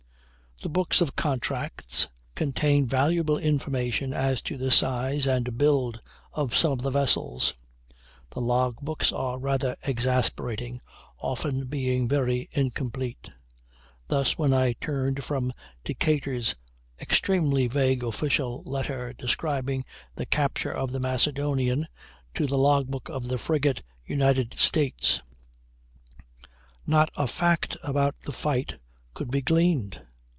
The books of contracts contain valuable information as to the size and build of some of the vessels. The log books are rather exasperating, often being very incomplete. Thus when I turned from Decatur's extremely vague official letter describing the capture of the Macedonian to the log book of the Frigate United States, not a fact about the fight could be gleaned.